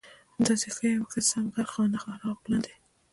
همداسې ښه یم ښه سم غرق خانه خراب لاندې